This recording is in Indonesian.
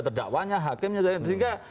terdakwanya hakimnya sehingga